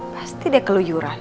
pasti dia keluyuran